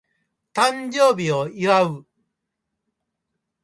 誕生日を祝う